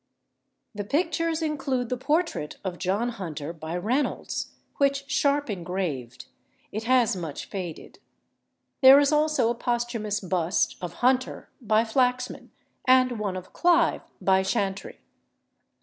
The pictures include the portrait of John Hunter by Reynolds, which Sharp engraved: it has much faded. There is also a posthumous bust of Hunter by Flaxman, and one of Clive by Chantrey.